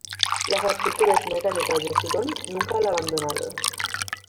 Las aptitudes mecánicas de Sutton nunca le abandonaron.